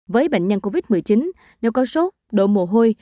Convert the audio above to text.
với bệnh nhân covid một mươi chín nếu có sốt độ mồ hôi